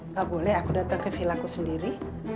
gak boleh aku datang ke hillarku sendiri